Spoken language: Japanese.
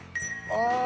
ああ。